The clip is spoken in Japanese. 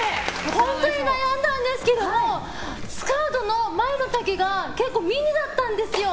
本当に悩んだんですけどもスカートの前の丈が結構ミニだったんですよ。